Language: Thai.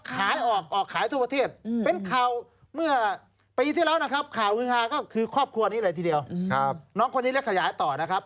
ขายออกออกขายทั่วประเทศเป็นข่าวเมื่อปีที่แล้วนะครับข่าวฮือฮาก็คือครอบครัวนี้เลยทีเดียวน้องคนนี้ได้ขยายต่อนะครับ